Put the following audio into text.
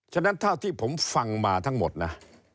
ฉะนั้นเท่าที่ผมฟังมาทั้งหมดนะ